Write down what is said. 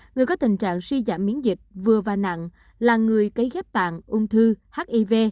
người có tình trạng suy giảm miễn dịch vừa và nặng là người cấy ghép tạng ung thư hiv